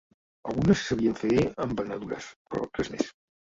Algunes sabien fer embenadures, però res més